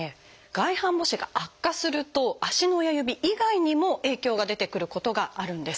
外反母趾が悪化すると足の親指以外にも影響が出てくることがあるんです。